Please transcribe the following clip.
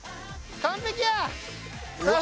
完璧や！